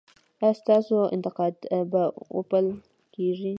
ایا ستاسو انتقاد به وپل کیږي؟